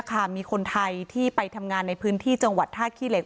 มีคนไทยที่ไปทำงานในพื้นที่จังหวัดท่าขี้เหล็